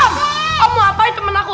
om om mau apain temen aku